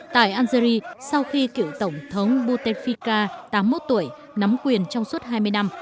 tại algeria sau khi cựu tổng thống boutefika tám mươi một tuổi nắm quyền trong suốt hai mươi năm